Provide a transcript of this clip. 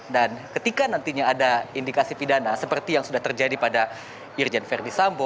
dan ketika nantinya ada indikasi pidana seperti yang sudah terjadi pada irjen ferdisambol